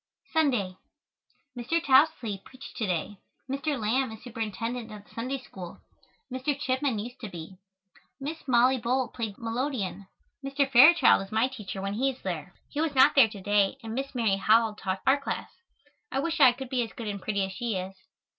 Sunday. Mr. Tousley preached to day. Mr. Lamb is Superintendent of the Sunday School. Mr. Chipman used to be. Miss Mollie Bull played the melodeon. Mr. Fairchild is my teacher when he is there. He was not there to day and Miss Mary Howell taught our class. I wish I could be as good and pretty as she is.